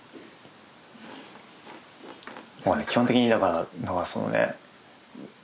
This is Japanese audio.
基本的にだからそのね。